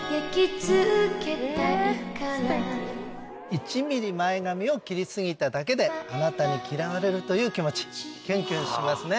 １ｍｍ前髪を切り過ぎただけであなたに嫌われるという気持ちキュンキュンしますね。